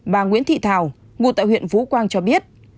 bà nguyễn thị thảo ngụ tại huyện vũ quang cho biết